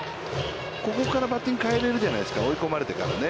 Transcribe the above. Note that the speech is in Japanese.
ここからバッティング変えれるじゃないですか、追い込まれてからね。